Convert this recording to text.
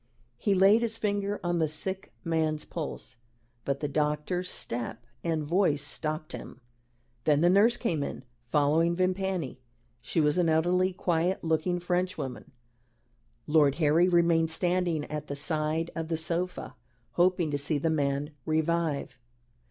He laid his finger on the sick man's pulse. But the doctor's step and voice stopped him. Then the nurse came in, following Vimpany. She was an elderly, quiet looking French woman. Lord Harry remained standing at the side of the sofa, hoping to see the man revive.